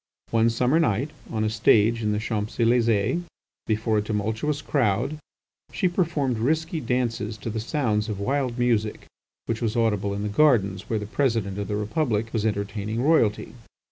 One summer night, on a stage in the Champs Elysées before a tumultuous crowd, she performed risky dances to the sounds of wild music which was audible in the gardens where the President of the Republic was entertaining Royalty.